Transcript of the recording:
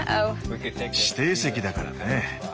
指定席だからね。